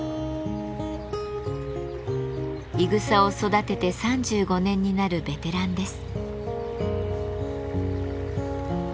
いぐさを育てて３５年になるベテランです。